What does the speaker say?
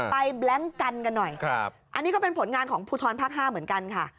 แบล็งกันกันหน่อยอันนี้ก็เป็นผลงานของภูทรภาค๕เหมือนกันค่ะ